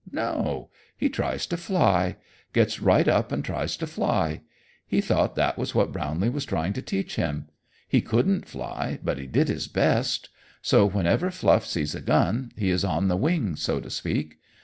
No; he tries to fly. Gets right up and tries to fly. He thought that was what Brownlee was trying to teach him. He couldn't fly, but he did his best. So whenever Fluff sees a gun, he is on the wing, so to speak.